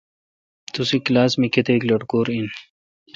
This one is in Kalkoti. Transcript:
توسی کلاس مہ کتیک لٹکور این۔